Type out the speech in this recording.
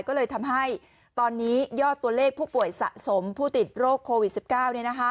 ก็เลยทำให้ตอนนี้ยอดตัวเลขผู้ป่วยสะสมผู้ติดโรคโควิด๑๙